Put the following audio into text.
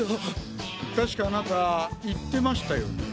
確かあなた言ってましたよね？